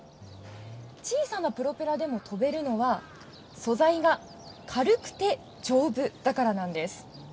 小さなプロペラでも飛べるのは、素材が軽くて丈夫だからなんです。